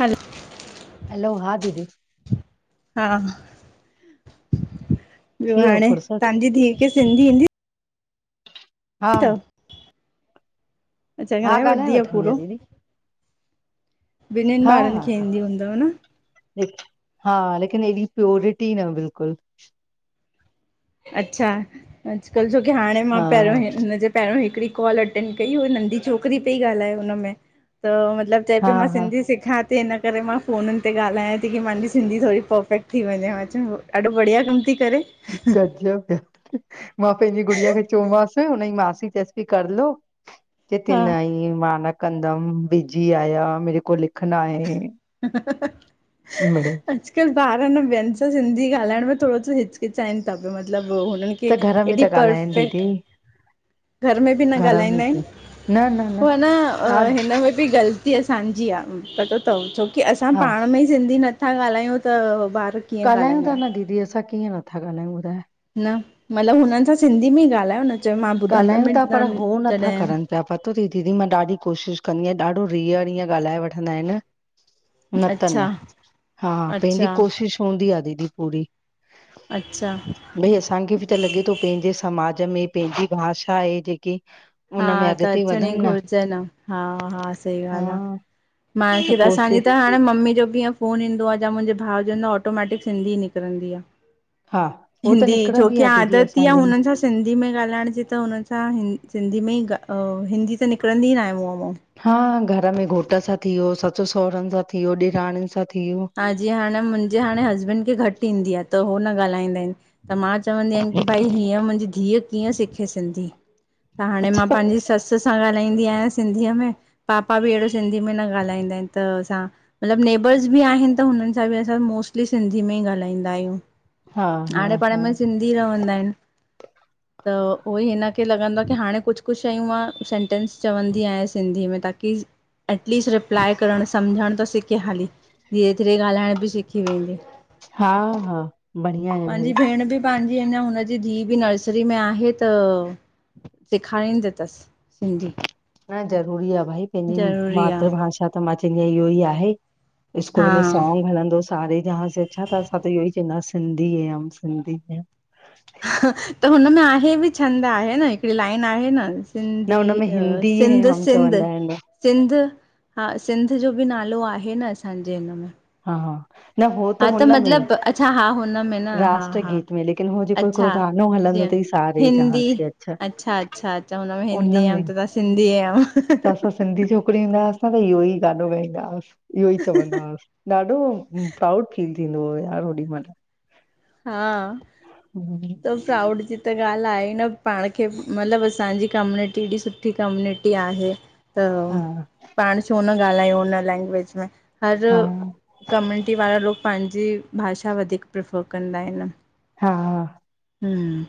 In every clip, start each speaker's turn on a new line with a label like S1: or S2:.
S1: हलो
S2: hello, हा दीदी
S1: हा, ॿियो
S2: थी वियव
S1: हाणे,
S2: फुर्सत
S1: तव्हांजी धीउ खे सिंधी ईंदी
S2: हा
S1: अथव? अच्छा,
S2: हा
S1: ॻालाए
S2: ॻाल्हाए
S1: वठदी आ
S2: वठंदी आहियां
S1: पूरो।
S2: दीदी
S1: ॿिन्हिनि
S2: हा हा
S1: ॿारनि खे
S2: हा
S1: ईंदी हूंदव न?
S2: हा, लेकिन एॾी प्ययोरिटी न बिल्कुलु।
S1: अच्छा, अॼुकल छोकी हाणे मां
S2: हा
S1: पहिरियों ई हिनजे पहिरों हिकिड़ी कॉल अटेंड कई उ नंढी छोकिरी पई ॻाल्हाए हुनमें, त मतलबु चए
S2: हा
S1: पई मां
S2: हा
S1: सिंधी सिखां थी त हिन करे मां फ़ोनन ते ॻाल्हायां थी कि माहांजी सिंधी थोड़ी पफेक्ट थी वञें, मां चयो ॾाढो बढ़िया कम थी करे।
S2: गजब! मां पैंजी गुड़िया खे चयो मांसि, हुनजी मासी चएं पई कर लो चेते
S1: हा
S2: न आई मां न कंदम बिजी आयां मेरेको लिख ना हे।
S1: ह ह।
S2: बडे।
S1: अॼकल्ह ॿार न ॿियन सां सिंधी ॻाल्हाइण में थोरो स हिचकिचाइन ता प्यो मतलब हुन
S2: त
S1: खे। की
S2: घर में
S1: हेॾी
S2: त ॻाल्हाइनि दीदी
S1: पर्फेक्ट। हुन भी न
S2: घर में
S1: ग़ालाइंदाइंन
S2: बि न
S1: पो है न अ।
S2: ॾा
S1: हिनन में बि ग़लती असांजी आ पतो थव छोकी असां
S2: हा
S1: पाण में ई सिंधी न। कथां ॻाल्हायूं त ॿार। कीअं
S2: ॻाल्हायूं था
S1: ॻाल्हाईंदा
S2: न दीदी असां कीअं नथा ॻाल्हायूं ॿुधा?
S1: न मतलब हुनन सां सिंधी में ई ॻाल्हायो न चयो मां ॿुधंदम न ज़ढ़ेय।
S2: तां पतो थ दीदी मां ॾाढी कोशिश कंदीयां ॾाढो रीयर हिंअं ॻाल्हाए वठंदाइन। न त न
S1: अच्छा
S2: हा
S1: अच्छा
S2: पंहिंजी कोशिश हूंदी आ दीदी पूरी।
S1: अच्छा।
S2: भई असांखे बि त लॻे थो पेंजे समाज में पेंजे भाषा आहे जेके।
S1: हा त अचनि ई घुरचन आ हा हा सही ॻाल् आ।
S2: हा
S1: माँखे त असांजी त हाणे मम्मी जो बिंअ। फोन ईंदो आ जा मुंजे भाव चवंदो ऑटोमैटिक सिंधी निकरंदी आ।
S2: हा हो त
S1: हिंदी
S2: निकिरंदी
S1: जोकी
S2: आहे दीदी
S1: आदती आ
S2: असांजे में
S1: हुनन सां। सिंधी में ॻाल्हाइण जी त हुन सां हि सिंधी में ई हिंदी त निकरंदी न आहे मुंहं मो।
S2: हा घर में घोट सां थीयो ससु सहुरन सां थीयो ॾेराणियुन सां थीयो।
S1: हा जीअं हाणे मुंजे हाणे हसबैंड खे घट ईंदी आ त उह न ॻाल्हाईंदाइन। त मां चवंदी आहिन की भाई हीअं मुंजी धीय कीअं सिखे सिंधी। त हाणे मां
S2: अच्छा
S1: पाँजी सस सां ॻाल्हाईंदी आंयां सिंधीअ में। पापा बि एहड़ो सिंधी में न ॻाल्हाईंदाइन त असां मतलब नेबर्स। बि आहिन त हुनन सां बि असां मोस्टली सिंधी में ई ॻाल्हाईंदा आयूं
S2: हा हा
S1: आॾे पाॾे
S2: हा
S1: में सिंधी। हि रहंदाइन। त उहो ई हिनखे लॻंदो आ की हाणे कुछ कुछ शयूं मां सेंटेंस चवंदी आयां सिंधी में ताकी। एटलीस्ट रिप्लाए करण सम्झण त सिखे हली धीरे धीरे ॻाल्हाइण बि सिखी वेंदी।
S2: हा हा। बढ़िया आहे भाई
S1: पाँजी भेण बि। पाँजी अञा हुनजी धी बि नर्सरी में आहे त सेखारींदी थस।
S2: न ज़रूरी आ भई पेंजी
S1: ज़रूरी आहे
S2: मातृभाषा। त मां चवंदी आ इहो ई आहे
S1: हा
S2: स्कूल में सॉन्ग हलंदस। सारे जँहा से अच्छा त असां त इहो ई चवंदा सिंधी है हम सिंधी है।
S1: त हुनमें आहे बि छंद आहे न हिकड़ी लाइन आहे न।
S2: न
S1: सिंधी
S2: हुनमें
S1: अ
S2: हिंदी है
S1: सिंध
S2: हम
S1: सिंध।
S2: चवंदा आहिनि
S1: सिंध हा सिंध जो बि नालो आहे न असांजे हिन में।
S2: हा हा। न हो त
S1: हा
S2: हुन में
S1: मतिलबु अच्छा हा हुन में न हा
S2: राष्ट्र
S1: हा
S2: गीत में लेकिन हो जेको
S1: अच्छा
S2: हेकड़ो गानो हलंदो
S1: जीअं
S2: थई।
S1: हिंदी अच्छा अच्छा अच्छा हुन में हिंदी आयम
S2: उनमें
S1: त तां सिंधी
S2: त
S1: हुयम।
S2: असां सिंधी छोकरी हूंदा हुआस न त इहो ई गानो गाईंदांस इहो चवंदास्। ॾाढो प्राउड फील थींदो हो यार होॾी मल।
S1: हा त प्राउड जी त ॻाल् आहे न। पाण खे मतलब असांजी कम्यूनिटी एॾी सुठी कम्यनिटी आहे त।
S2: हा
S1: पाण छो न ॻाल्हायूं उ हुन लैंग्वेज में हर
S2: हा
S1: कम्यूनिटी वारा लोग। पांजे भाषा वधीक प्रफेर कंदा हिनि
S2: हा
S1: हूं,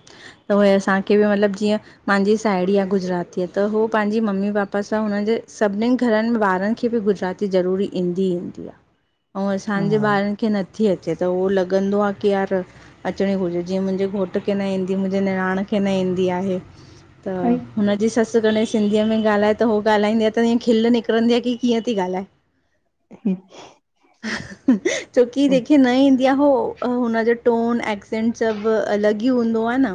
S1: त उहे असांखे बि मतलबु जीअं मांजी साहेड़ी आ गुजराती आ, त हो पंहिंजी मम्मी पापा सां हुननि जे सभिनीनि घरनि में ॿारनि खे बि गुजरात -ती ज़रूरी ईंदी -ईंदी आ। अंउं असांजे
S2: हा
S1: ॿारनि खे नथी अचे त उहो लॻंदो आ की यार अचिणी घुरिजे जीअं मुंहिंजे घोट खे न ईंदी, मुंहिंजे निरांण खे न ईंदी आहे त
S2: ऐं
S1: हुनजी ससु कॾै सिंधीअ में ॻाल्हाए, त हो ॻाल्हाईंदी आ त हीअं खिल निकिरंदी आ की कीअं ती ॻाल्हाए ह [inaudible]
S2: ह [inaudible]
S1: छोकी जेखे न ईंदी आ हो हुनजो टोन, एक्सेंट सभु अलॻि ई हूंदो आ न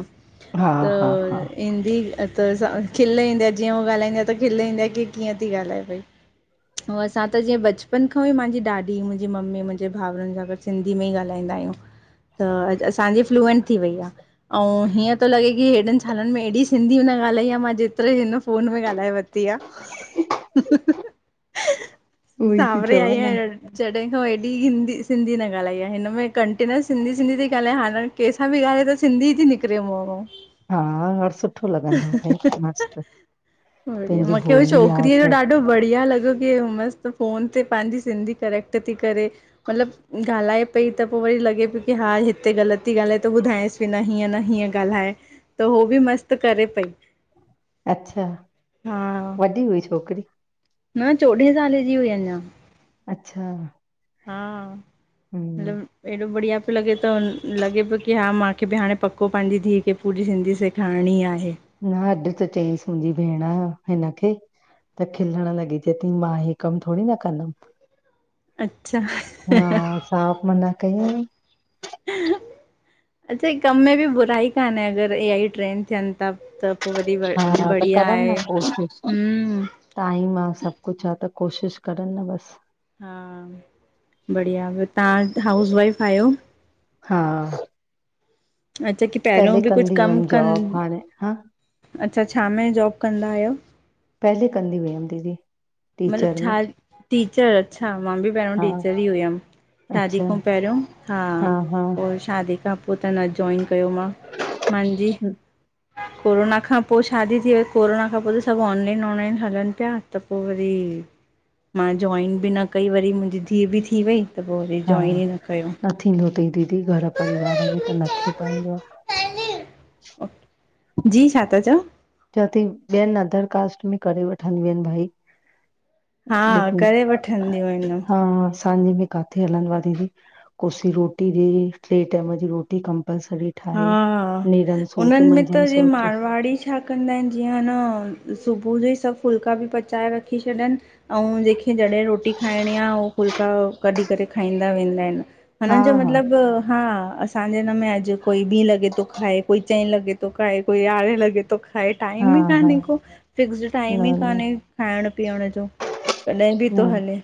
S2: हा हा हा
S1: त ईंदी अ त असां खिल ईंदी आ, जीअं हूअ ॻाल्हाईंदी आ त खिल ईंदी आ की कीअं ती ॻाल्हाए पई। अंउं असां त जीअं बचपन खां ई मांजी ॾाॾी, मुंहिंजी मम्मी, मुंहिंजे भाउरनि सां गॾु सिंधी में ई ॻाल्हाईंदा आहियूं। त अॼु असांजी फ्लूएंट थी वई आ। अंउं हीअं तो लॻे कि हेॾनि सालनि में एॾी सिंधी न ॻाल्हाई आ मां, जेतिरो हिन फ़ोन में ॻाल्हाए वरती -ती आ,
S2: उहो ई थी
S1: सावरे
S2: चवां
S1: आई आ
S2: न
S1: ॼण। -जॾहिं खां हेॾी हिंदी सिंधी न ॻाल्हाई आ, हिन में कंटिन्युअस सिधी- सिंधी ती ॻाल्हायां हाणे केस -सां बि ॻालहाए त सिंधी हु ती निकिरे मुहं मउ
S2: हा, और सुठो लॻंदो भई मस्तु
S1: बढ़िया,
S2: पंहिंजी
S1: मुखे हो
S2: भोली आहे
S1: छोकिरीअ जो
S2: खैर
S1: ॾाढो बढ़िया लॻो कीअ मस्तु फ़ोन ते पांजी सिंधी करेैक्ट ती करे मतलबु ॻाल्हाए पई, त पो वरी लॻे पियो की हा हिते ग़लति ती ॻाल्हाए त ॿुधायांसि पि न हीअं न हीअं ॻाल्हाए त हो बि मस्तु करे पई।
S2: अच्छा,
S1: हा
S2: वॾी हुई छोकिरी?
S1: न चोॾहें साले जी हुई अंञां।
S2: अच्छा
S1: हा, ल
S2: हम्म
S1: एॾो बढ़िया पियो लॻे त, लॻे पियो कि हा मांखे बि हाणे पक्को पांजी धीउ खे पूरी सिंधी सेखारिणी आहे।
S2: न अॼु त चयईसि मुंहिंजी भेण हिनखे त खिलण लॻी, चैती मां हे कमु थोड़ी न कंदमि
S1: अच्छा
S2: हा साफ़ मना कयंई।
S1: अच्छा, हे कम में बि बुराई कान्हे अगरि ए आई ट्रेन्ड थियनि था त पो वधी बढ़
S2: हा त
S1: बढ़िया
S2: करनि न
S1: आहे
S2: कोशिश
S1: हम्म
S2: टाइम आ सभु कुछ आ, त कोशिशि करनि न बसि
S1: हा बढ़िया, ॿियो तव्हां हाउस वाइफ आहियो?
S2: हा।
S1: अच्छा की पहिरियों
S2: पहले
S1: बि कुछु
S2: कंदी
S1: कम
S2: हुयमि जॉब
S1: कनि,
S2: हाणे हा
S1: अच्छा छा में जॉब कंदा आहियो?
S2: पहले कंदी हुयम दीदी।
S1: मतलब
S2: टीचर में
S1: छा, टीचर अच्छा मां बि पहिरियों
S2: हा
S1: टीचर ही हुयम, शादी
S2: अच्छा
S1: खौं पहिरियों हा पो वरी छॾ शादी खां पो त न ज्वाइन कयो मां मांजी
S2: न-
S1: कोरोना खां पो शादी थी वई कोरोना खां पो त सभु ऑनलाइन ऑनलाइन हलनि पिया त पो वरी मां जॉइन बि न कई वरी मुंहिंजी धी बि थी वई। त पोइ वरी
S2: हा
S1: जॉइन ई न कयो।
S2: न थींदो तई दीदी घर परिवार में त न थी पाईंदो आ।
S1: ओके, जी छा था चओ?
S2: चो थी ॿियनि अधर कास्ट में करे वठंदियूं आहिनि भाई।
S1: हा
S2: लेकिन
S1: करे वठंदियूं आहिनि।
S2: हा असांजे बि काथे हलनो आ दीदी कोसी रोटी जी ट्रे टेम जी रोटी कंपलसरी ठाहे
S1: हा
S2: नेरल सोच मंझन सोच
S1: फवाड़ी छा कंदा आहिनि जीअं अ न सुबुह जो ई सभु फुल्का बि पचाए रखी छॾनि। आऊं जेके जॾहिं रोटी खाइणी आ उ फुलका कढी करे खाईंदा वेंदा आहिन।
S2: हा
S1: हुननि जो
S2: हा
S1: मतिलबु हा असांजे हिन में अॼु कोई बी लॻे थो खाए कोई चएं लॻे थो खाए कोई याड़े लॻे तो खाए
S2: हा
S1: टाइम ई
S2: हा
S1: कान्हे को फिक्सड
S2: न
S1: टाइम ई
S2: न
S1: कान्हे खाइण पीअण जो। कॾें बि थो हले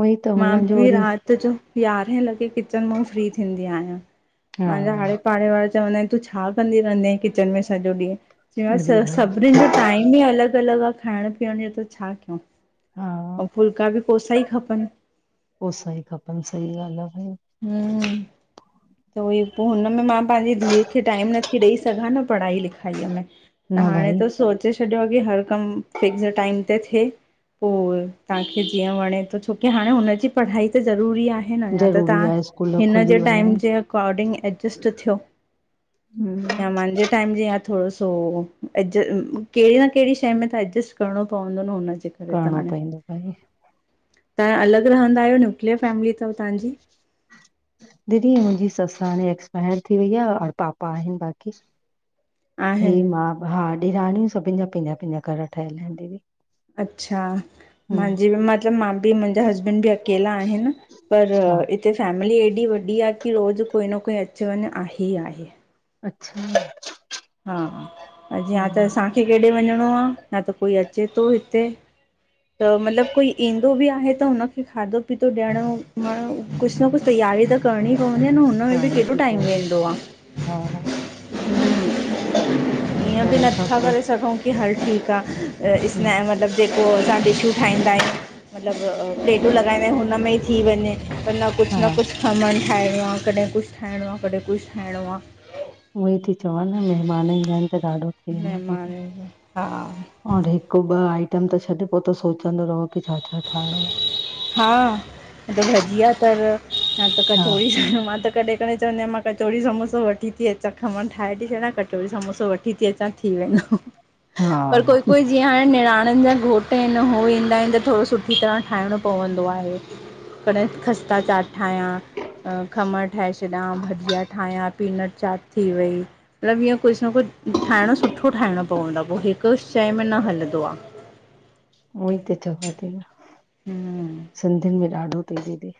S2: उहई त हुननि जो वरी
S1: त जो यारहें लॻे किचन मां फ्री थींदी आहियां।
S2: हा
S1: मुंहिंजा आड़े पाड़े वारा चवंदा आहिन तूं छा कंदी रहंदी आहीं किचन में सॼो ॾींहं? चयोमास
S2: अरे
S1: स
S2: भाई
S1: सभिनीनि जो टाइम ई अलॻ अलॻ आ खाइण पीअण जो त छा कयूं।
S2: हा
S1: अऊं फुल्का बि कोसा ई खपन।
S2: कोसा ई खपनि सही ॻाल्ह आ भई।
S1: हूं त उई पो हुनमें मां पांजी धीअ खे टाइम नथी ॾेई सघां न पढ़ाई लिखाईअ में। त
S2: न
S1: हाणे
S2: भाई
S1: त सोचे छॾियो आ की हर कम फिक्स टाइम ते थे। पो तव्हांखे जीअं वणे थो छोकी हाणे हुनजी पढ़ाई त ज़रूरी आहे न या त
S2: ज़रूरी
S1: तव्हां
S2: आहे स्कूल
S1: हिन
S2: खुली
S1: जे टाइम
S2: वञनि
S1: जे अकॉर्डिंग एडजस्ट थियो।
S2: हम्म
S1: या मांजे टाइम जी या थोरो सो एडजस कहिड़ी न कहिड़ी शइ में त एडजस्ट करिणो पवंदो न हुनजे। करे
S2: करिणो
S1: हाणे,
S2: पवंदो भई
S1: तव्हां अलॻ रहंदा आयो न्यूक्लियर फैमिली तव तहांजी।
S2: दीदी मुंहिंजी ससु हाणे एक्सपायर थी वई आ और पापा आहिनि बाक़ी। हे
S1: आहिनि
S2: मां हा डेराणियूं सभिनि जा पंहिंजा पंहिंजिा घर ठहियल आहिन दीदी।
S1: अच्छा।
S2: हम्म
S1: मांजी बि मतलब मां बि मुंजा हसबैंड बि अकेला आहिन पर
S2: हा
S1: हिते फैमिली एॾी वॾी आ की रोज़ु कोई न कोई अच वञु आहे ई आहे।
S2: अच्छा।
S1: हा अ जयां त
S2: हम्म
S1: असांखे केॾे वञिणो आ या त कोई अचे थो हिते त मतलबु कोई ईंदो बि आहे त हुनखे खाधो पीतो ॾियण म कुझु न कुझु तयारी त करणी पवंदी आ न हुनमें बि
S2: करणी थी
S1: केॾो
S2: पए
S1: टाइम वेंदो आ।
S2: हा ह।
S1: ईअं बि
S2: पहले सां
S1: नथा
S2: सो
S1: करे सघूं की हल ठीकु आ स्नै
S2: हम्म
S1: मतिलब जेको असां डिशूं ठाहींदा आयूं मतिलबु प्लेटूं लॻाईंदा आयूं हुनमें ई थी वञे म ना कुझु
S2: हा
S1: न कुझु खमण ठाहिणो आ कॾहिं कुझु ठाहिणो आ कॾहिं कुझु ठाहिणो।
S2: उअई ती चवां न, मेहमान ईंदा एंन त ॾाढो थी वेंदो आहे
S1: मेहमान,
S2: दीदी
S1: हा।
S2: और हिकु ॿ आइटम त छॾ, पो त सोचंदो रहो की छा छा ठाहिणो आ।
S1: हा, न त भॼिया तर, या त
S2: आहे हा
S1: कचोड़ी ठांयूं, मां त कॾह कढेए चंवनीयां, मां कचोङी समोसो वठी ती अचां, खमण ठाहे थी छॾिया, कचोरी समोसो वठी थी अचां, थी थी वेंदो, पर
S2: हा
S1: कोई कोई जीअं हाणे निणाननि जा घोटु एंन हो ईंदा एंन त थोङो, स सुठी तरह ठाहिणो पवंदो आहे, कॾह खस्ता चाट ठायां अं, खमण ठाहे छॾा, भजिया ठाहियां, पीनट चाट थी वई मतलबु ईअं कुझु न कुझु, ठाहिणो सुठो ठाहिणो पवंदो आ, पो हिकु शंए में न हलदो आ।
S2: ऊअ ई त चवां थी न,
S1: आहे
S2: सिंधियुनि में ॾाढो तई दीदी।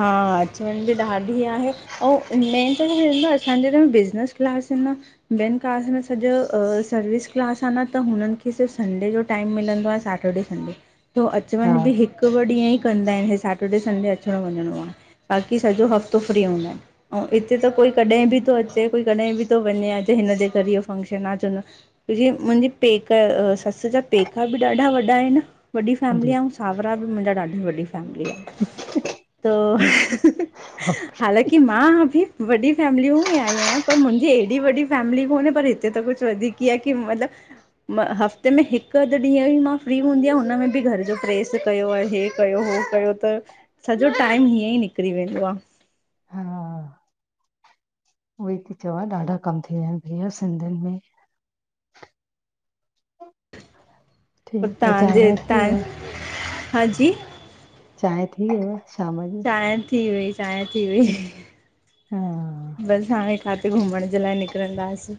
S1: हां, अचु वञ ॿि ॾाढी आहे। ओं, मेन त छा आहे न, असांजे घर बिज़नस क्लास इन न ॿियनि काज़ में, सॼो सर्विस क्लास आ न, त हुननि खे सिर्फ संडे जो टाइम मिलंदो आहे, सेटरडे संङे तो, अच
S2: हा
S1: वञि बि हिकु ॿ ॾींहं ई कंदा एंन, हे सेटर्डे संडे अ त वञणो आ, बाक़ी सॼो हफ़्तो फ्री हूंदा एंन ओं इते त कोई कॾेह बि थो अचे कोई कॾेह बि थो वञे, अॼु हिन जे करीयफ फंक्शन आहे चोंदां, ज़ी, मुंहिंजी पेक अ, ससु जा पेका बि ॾाढा वॾा आहिनि। वॾी
S2: अरे
S1: फैमिली आऊं, सांवरा ॿि मुंहिंजा ॾाढी वॾी फैमिली आ, त
S2: हा।
S1: हालांकीं मां ॿि वॾी फैमिलियूं ई आई आहियां, पर मुंहिंजी हेॾी वॾी फैमिली कोन्हे, पर हिते त कुझ वधीक कीअ आ की मतलब मां हफ़्ते में हिकु अधु ॾींहुं ही मां फ्री हूंदी आ, हुन में बि घर जो प्रेस कयो, ए हे कयो हो कयो त, सॼो टाइम हीअं ई निकिरी वेंदो आ।
S2: ढी चवां, ॾाढा कम थी विया आहिनि भैया, सिंधियुनि में।
S1: पोइ
S2: ठीकु आहे चांहि
S1: तांजे
S2: वांहि
S1: हीता
S2: थी
S1: आएं,
S2: वियव
S1: हाँ जी?
S2: चांएं, थीं यव?
S1: चांएं थी वई, चांएं थी वई।
S2: हा।
S1: बसि हाणे काथे घुमण ॼे लाए निकिरंदासीं,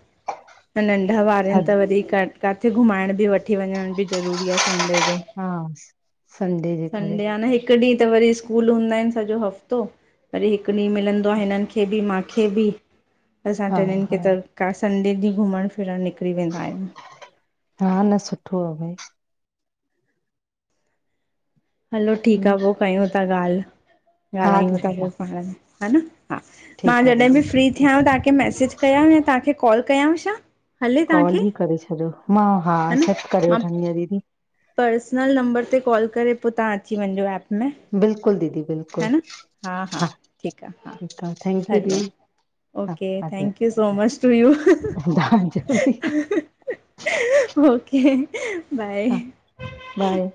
S1: नंढा ॿारनि
S2: सॾ
S1: त वधीक काथे घुमाइण ॿि, वठी वञण ॿि, ज़रूरी आ संडे जो
S2: हा, संडे ॼे करे
S1: हीकु ॾींयं त वरी स्कूल हूना एन सॼो हफ्तो, वरी हिकु ॾींयं मिलनदों आ हिनन खे बि खे बि, असां
S2: हा
S1: ट्रीनिन
S2: हा
S1: खे त, का संडे ॾींयं घुमण फिरणु निकिरी वेंदा आहियूं।
S2: हा न, सुठो आहे भई।
S1: हलो ठीकु आ
S2: भई
S1: पो कयूं था ॻाल्हि,
S2: हा
S1: ॻाल्हायूं था
S2: दीदी हा
S1: पो पाण में, ह न हा, मां
S2: ठीकु आहे
S1: जॾहिं ॿि
S2: दीदी
S1: फ्री
S2: ठीकु आहे
S1: थियांव तांखें मैसेज कयांव या तव्हांखे कॉल कयांव शा?
S2: कॉल ही करे छॾियो, मां हां,
S1: न
S2: सब करे
S1: मां
S2: वठनीया, दीदी।
S1: पर्सनल नंबर ते कॉल करे, पो तवां अची वञजो ऐप में।
S2: बिल्कुलु दीदी
S1: हा
S2: बिल्कुलु,
S1: न
S2: हा,
S1: आहे हा
S2: ठीकु आ, थैंक्यू
S1: हरिओम
S2: दी।
S1: Okay, thank you so much to you.
S2: तव्हांजो बि
S1: ओके, बाए।
S2: हा बाए।